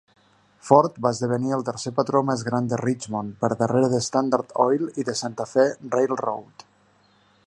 Ford va esdevenir el tercer patró més gran de Richmond, per darrere de Standard Oil i de Santa Fe Railroad.